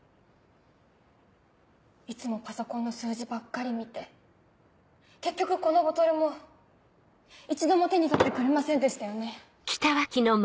いつもパソコンの数字ばっかり見て結局このボトルも一度も手に取ってくれませんでしたよね。